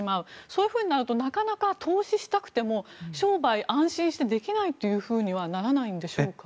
そういうふうになってしまうとなかなか投資したくても商売を安心してできないというふうにはならないんでしょうか？